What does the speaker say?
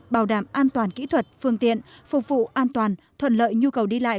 bảo đảm an toàn kỹ thuật phương tiện phục vụ an toàn thuận lợi nhu cầu đi lại